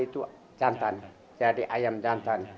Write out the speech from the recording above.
itu jantan jadi ayam jantan